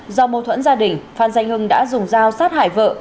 do mâu thuẫn gia đình phan danh hưng đã dùng dao sát hại vợ